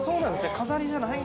◆飾りじゃないんだ。